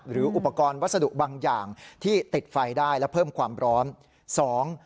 หรืออุปกรณ์วัสดุบางอย่างที่ติดไฟได้และเพิ่มความร้อนสอง